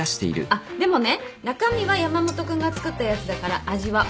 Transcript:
あっでもね中身は山本君が作ったやつだから味は保証するから。